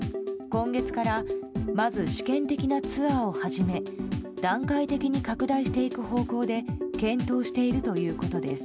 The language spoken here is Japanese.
今月からまず試験的なツアーを始め段階的に拡大していく方向で検討しているということです。